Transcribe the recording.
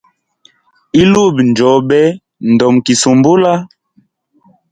Ilubi njobe, ndomikisumbula.